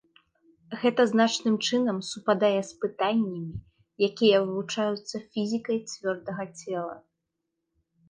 Гэта значным чынам супадае з пытаннямі, якія вывучаюцца фізікай цвёрдага цела.